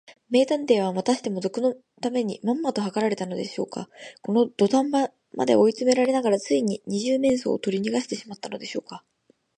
名探偵は、またしても賊のためにまんまとはかられたのでしょうか。このどたん場まで追いつめながら、ついに二十面相をとりにがしてしまったのでしょうか。